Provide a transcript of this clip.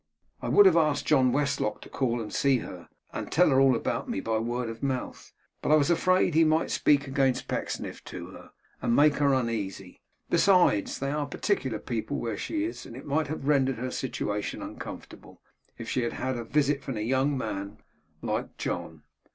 I would have asked John Westlock to call and see her, and tell her all about me by word of mouth, but I was afraid he might speak against Pecksniff to her, and make her uneasy. Besides, they are particular people where she is, and it might have rendered her situation uncomfortable if she had had a visit from a young man like John.